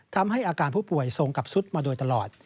ทำให้อาการผู้ป่วยทรงกับซุดมาโดยตลอด